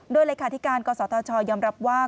ด้วยรายคาธิการกศธชยำรับว่า